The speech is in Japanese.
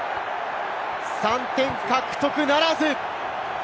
３点獲得ならず。